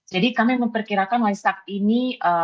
jadi kami memperkirakan waisak ini